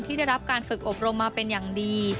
ได้รับการฝึกอบรมมาเป็นอย่างดี